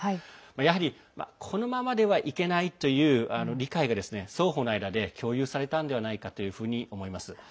やはり、このままではいけないという理解が双方の間で共有されたのではないかと思います。